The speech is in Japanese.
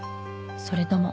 それとも。